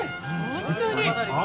本当に！